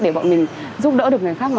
để bọn mình giúp đỡ được người khác